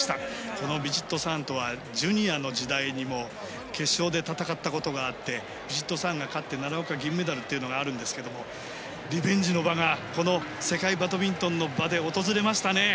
このヴィチットサーンとはジュニアの時代でも決勝で戦ったことがあってヴィチットサーンが勝って奈良岡が銀メダルというのがあるんですけどリベンジの場がこの世界バドミントンの場で訪れましたね。